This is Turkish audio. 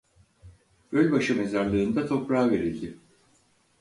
Gölbaşı Mezarlığı'nda toprağa verildi.